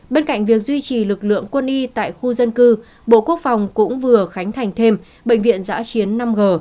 bên cạnh việc duy trì lực lượng quân y tại khu dân cư bộ quốc phòng cũng vừa khánh thành thêm bệnh viện giã chiến năm g